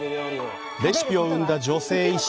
レシピを生んだ女性医師。